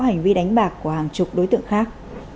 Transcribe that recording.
có hành vi đánh bạc của hàng chục đối tượng khác